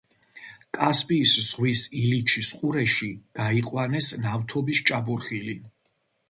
კასპიის ზღვის ილიჩის ყურეში გაიყვანეს ნავთობის ჭაბურღილი.